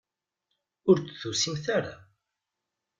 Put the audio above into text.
Ur d-tusimt ara.